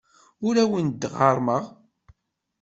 Ur awent-d-ɣerrmeɣ.